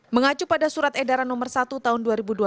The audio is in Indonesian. mengacu pada surat edaran nomor satu tahun dua ribu dua puluh